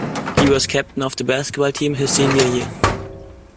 He was captain of the basketball team his senior year.